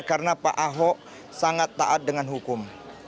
karena pak ahok sangat taat dengan hukum